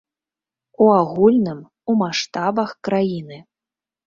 У агульным, у маштабах краіны.